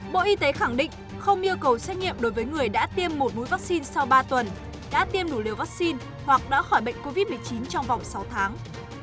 bộ y tế khẳng định không yêu cầu xét nghiệm đối với người đã tiêm một mũi vaccine sau ba tuần đã tiêm đủ liều vaccine hoặc đã khỏi bệnh covid một mươi chín trong vòng sáu tháng